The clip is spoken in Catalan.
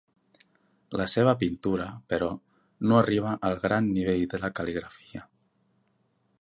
La seva pintura, però, no arriba al gran nivell de la cal·ligrafia.